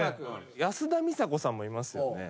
安田美沙子さんもいますよね。